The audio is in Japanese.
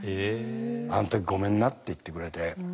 あん時ごめんなって言ってくれて。